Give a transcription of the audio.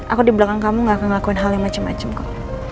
aku di belakang kamu gak akan ngelakuin hal yang macam macam kok